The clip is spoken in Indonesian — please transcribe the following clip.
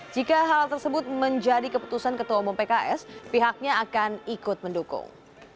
jika hal tersebut menjadi keputusan ketua umum pks pihaknya akan ikut mendukung